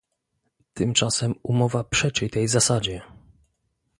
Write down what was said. Tymczasem umowa przeczy tej zasadzie